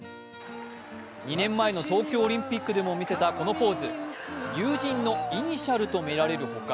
２年前の東京オリンピックでも見せた、このポーズ友人のイニシャルとみられるほか、